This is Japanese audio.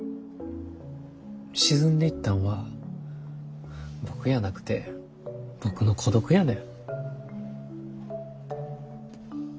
沈んでいったんは僕やなくて僕の孤独やねん。